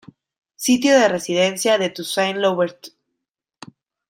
Sitio de residencia de Toussaint Louverture.